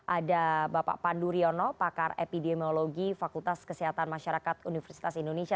ada bapak pandu riono pakar epidemiologi fakultas kesehatan masyarakat universitas indonesia